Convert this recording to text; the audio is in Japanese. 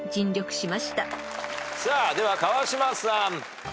さあでは川島さん。